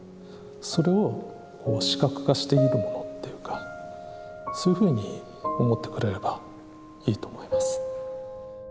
それを視覚化しているものっていうかそういうふうに思ってくれればいいと思います。